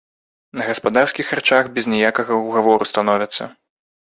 На гаспадарскіх харчах без ніякага ўгавору становяцца.